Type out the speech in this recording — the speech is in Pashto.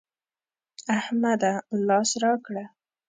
احمده! لاس راکړه.